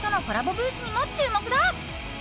ブースにも注目だ。